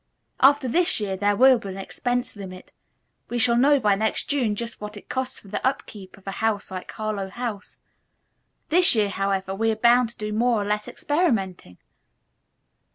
After this year there will be an expense limit. We shall know by next June just what it costs for the up keep of a house like Harlowe House. This year, however, we are bound to do more or less experimenting."